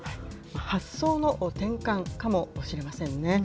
発想の転換かもしれませんね。